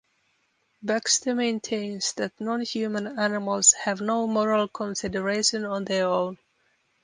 Baxter maintains that non-human animals have no moral consideration on their own.